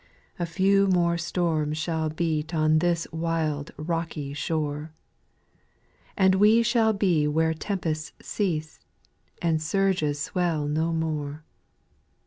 8. A few more storms shall beat On this wild rocky shore ; And we shall be where tempests cease, And surges swell no more.